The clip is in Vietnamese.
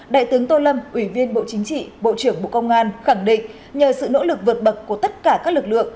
đại tướng tô lâm ủy viên bộ chính trị bộ trưởng bộ công an khẳng định nhờ sự nỗ lực vượt bậc của tất cả các lực lượng